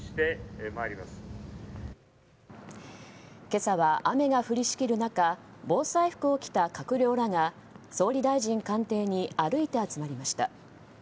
今朝は雨が降りしきる中防災服を着た閣僚らが総理大臣官邸に歩いて集まりました。